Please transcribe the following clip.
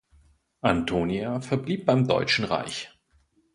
Antonia verblieb beim Deutschen Reich.